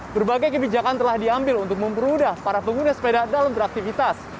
berbagai kebijakan telah diambil untuk mempermudah para pengguna sepeda dalam beraktivitas